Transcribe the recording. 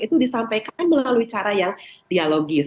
itu disampaikan melalui cara yang dialogis